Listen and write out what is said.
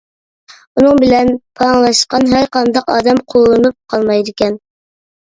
ئۇنىڭ بىلەن پاراڭلاشقان ھەر قانداق ئادەم قورۇنۇپ قالمايدىكەن.